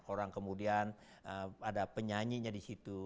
orang kemudian ada penyanyinya di situ